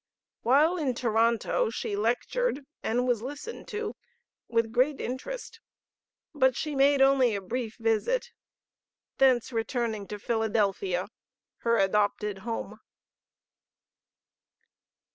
While in Toronto she lectured, and was listened to with great interest; but she made only a brief visit, thence returning to Philadelphia, her adopted home.